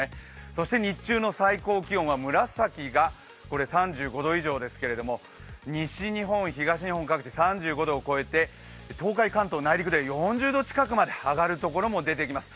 そして日中の最高気温は、紫が３５度以上ですけれども、西日本、東日本各地、３５度を超えて東海・関東内陸では４０度近くに上がるところも出てきます。